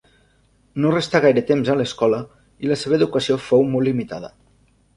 No restà gaire temps a escola i la seva educació fou molt limitada.